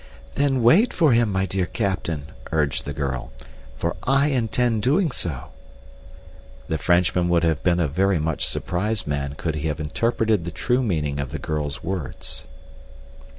"Then wait for him, my dear captain," urged the girl, "for I intend doing so." The Frenchman would have been a very much surprised man could he have interpreted the true meaning of the girl's words.